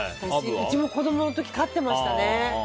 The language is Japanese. うちも子供の時飼ってましたね。